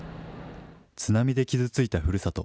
津波で傷ついたふるさと。